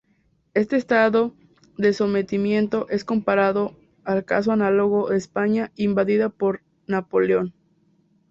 Este estado de sometimiento es comparado al caso análogo de España invadida por Napoleón.